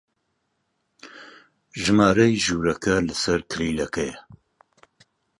ژمارەی ژوورەکە لەسەر کلیلەکەیە.